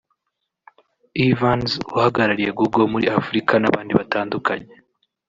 Evans uharariye Google muri Afurika n’abandi batandukanye